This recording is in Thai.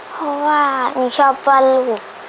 เพราะว่าหนูชอบปั้นลูก